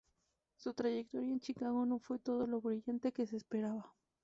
Su trayectoria en Chicago no fue todo lo brillante que se esperaba.